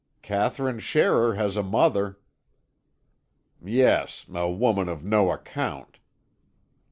"Katherine Scherrer has a mother." "Yes; a woman of no account."